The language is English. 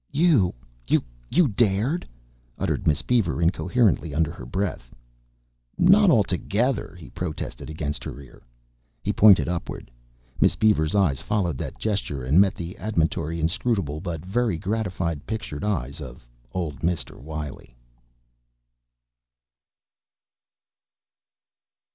"You you dared!" uttered Miss Beaver incoherently under her breath. "Not altogether," he protested against her ear. He pointed upward. Miss Beaver's eyes followed that gesture and met the admonitory, inscrutable, but very gratified pictured eyes of old Mr. Wiley.